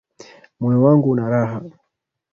Moyo wangu unaraha